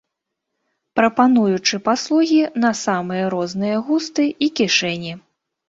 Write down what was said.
Прапануючы паслугі на самыя розныя густы і кішэні.